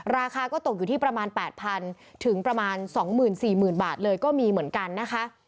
ราคาก็ตกอยู่ที่ประมาณแปดพันถึงประมาณสองหมื่นสี่หมื่นบาทเลยก็มีเหมือนกันนะคะ